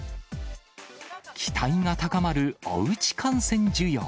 期待が高まるおうち観戦需要。